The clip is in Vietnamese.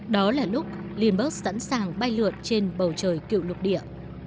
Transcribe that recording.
đó là lúc lindbergh sẵn sàng bay lượt trên bầu trời cựu lục địa